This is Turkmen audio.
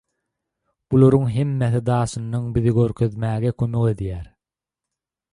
Bularyň hemmesi daşyndan bizi görkezmäge kömek edýär.